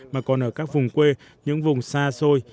mà còn ở các vùng quê những vùng xa xôi